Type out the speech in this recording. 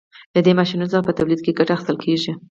له دې ماشینونو څخه په تولید کې ګټه اخیستل کیږي.